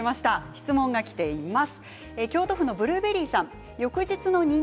質問がきています。